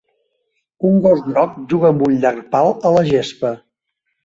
Un gos groc juga amb un llarg pal a la gespa.